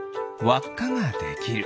わっかができる。